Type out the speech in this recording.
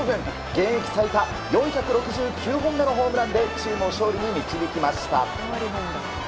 現役最多４６９本目のホームランでチームを勝利に導きました。